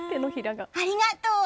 ありがとう！